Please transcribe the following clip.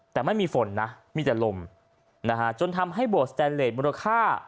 แต่ไม่มีฝนนะมีแต่ลมนะฮะจนทำให้โบสแตนเลสมูลค่า